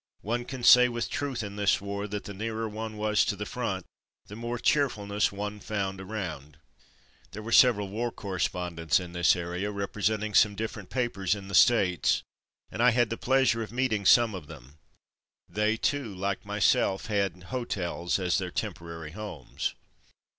One can say with truth in this war that the nearer one was to the front the more cheerfulness one found around. There were several war correspondents in this area, representing several different papers in the States, and I had the pleasure Visit to Marine H. Q. 267 of meeting some of them. They, too, like myself, had " hotels'' as their temporary homes.